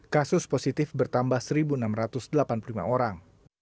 kasus positif bertambah satu enam ratus delapan puluh lima orang